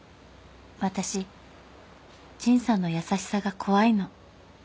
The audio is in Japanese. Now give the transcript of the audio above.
「私陳さんの優しさが怖いの。